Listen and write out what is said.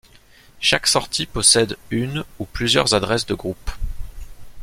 Chaque sortie possède une ou plusieurs adresse de groupe.